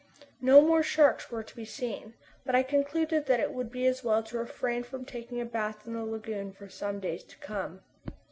No more sharks were to be seen, but I concluded that it would be as well to refrain from taking a bath in the lagoon for some days to come.